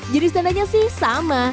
jenis tendanya sih sama